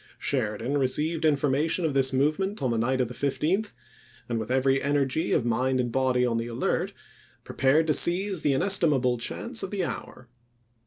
Sheridan received information of this movement on the night of the 15th, and with every energy of mind and body on the alert, prepared to seize the inestimable chance of the hour.